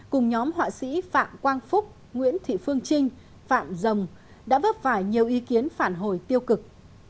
cùng nhóm họa sĩ phạm quang phúc nguyễn thị phương trinh phạm rồng đã vấp phải nhiều ý kiến phản hồi tiêu cực